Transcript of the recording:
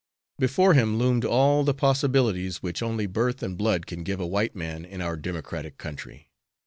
Before him loomed all the possibilities which only birth and blood can give a white man in our Democratic country.